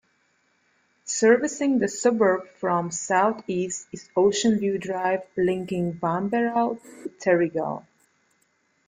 Servicing the suburb from the south-east is Ocean View Drive, linking Wamberal to Terrigal.